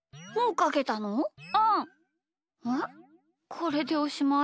これでおしまい？